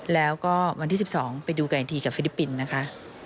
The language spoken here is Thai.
แล้วก็วันที่๑๒ไปดูกันอีกทีกับฟิลิปปินส์นะคะ